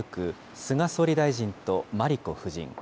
菅総理大臣と真理子夫人。